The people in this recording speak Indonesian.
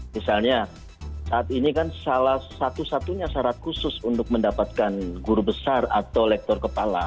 misalnya saat ini kan salah satu satunya syarat khusus untuk mendapatkan guru besar atau lektor kepala